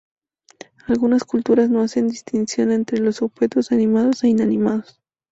Algunas culturas no hacen distinción entre los objetos animados e inanimados.